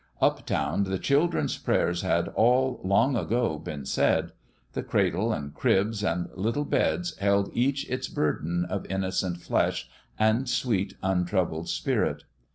" Up town, the children's prayers had all long ago been said : the cradles and cribs and little beds held each its burden of innocent flesh and sweet untroubled spirit.